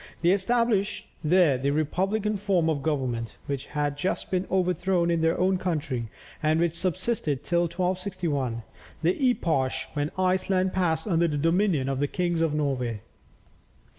They established there the republican form of government, which had just been overthrown in their own country, and which subsisted till 1261, the epoch when Iceland passed under the dominion of the kings of Norway.